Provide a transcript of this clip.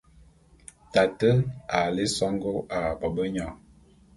Tate a lé songó ā bobenyang.